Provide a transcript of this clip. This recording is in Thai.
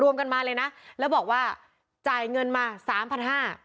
กันมาเลยนะแล้วบอกว่าจ่ายเงินมาสามพันห้า